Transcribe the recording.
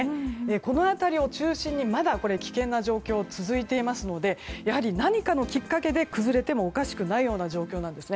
この辺りを中心にまだ危険な状況は続いてますのでやはり何かのきっかけで崩れてもおかしくないような状況です。